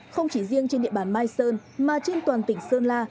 không chỉ riêng trên địa bàn mai sơn mà trên toàn tỉnh sơn la